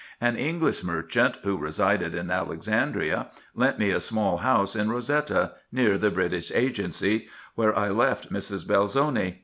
An English merchant, who resided in Alexandria, lent me a small house in Rosetta, near the British agency, where I left Mrs. Belzoni.